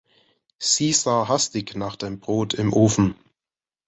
Sie sah hastig nach dem Brot im Ofen.